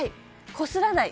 こすらない」